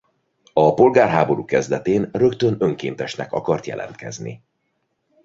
A polgárháború kezdetén rögtön önkéntesnek akart jelentkezni.